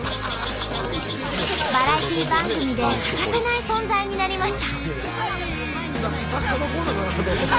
バラエティー番組で欠かせない存在になりました。